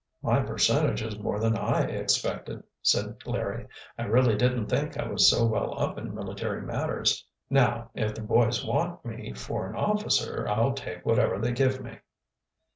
"My percentage is more than I expected," said Larry. "I really didn't think I was so well up in military matters. Now, if the boys want me for an officer I'll take whatever they give me."